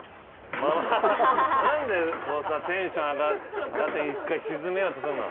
何でこうさテンション上がって一回しずめようとするの？